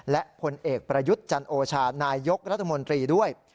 และผลเอกประยุทธ์จันโอชานายยกรัฐมนตรีด้วย